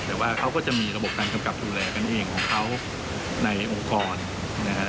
แต่ว่าเขาก็จะมีระบบการกำกับดูแลกันเองของเขาในองค์กรนะครับ